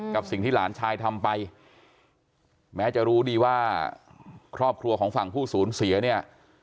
กับสิ่งที่หลานชายทำไปแม้จะรู้ดีว่าครอบครัวของฝั่งผู้สูญเสียเนี่ย